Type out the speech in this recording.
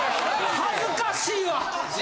恥ずかしいわ！